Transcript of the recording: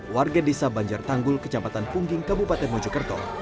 warga desa banjar tanggul kecamatan pungging kabupaten mojokerto